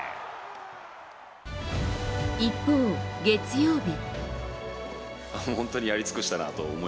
一方、月曜日。